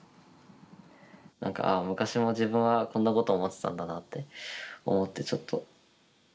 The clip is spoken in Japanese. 何か「ああ昔も自分はこんなこと思ってたんだな」って思ってちょっと。